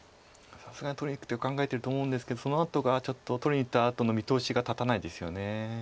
さすがに取りにいく手を考えてると思うんですけどそのあとがちょっと取りにいったあとの見通しが立たないですよね。